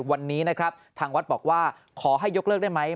วันนี้นะครับทางวัดบอกว่าขอให้ยกเลิกได้ไหม